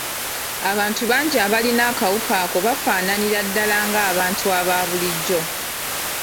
Abantu bangi abalina akawuka ako bafaananira ddala ng’abantu aba bulijjo.